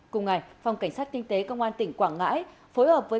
cùng ngày phòng cảnh sát kinh tế công an tỉnh quảng ngãi